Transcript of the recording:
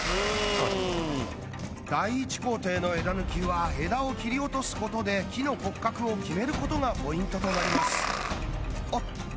うん第１工程の枝抜きは枝を切り落とすことで木の骨格を決めることがポイントとなりますおっと！